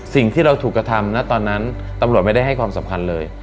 สิ่งที่เราถูกกระทำนะตอนนั้นตำรวจไม่ได้ให้ความสำคัญเลย